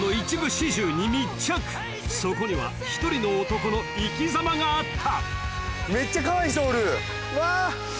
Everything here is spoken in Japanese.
［そこには１人の男の生きざまがあった］